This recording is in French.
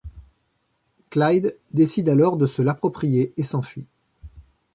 Clyde décide alors de se l'approprier et s'enfuit.